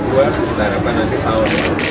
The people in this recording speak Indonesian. kita harapkan nanti tahun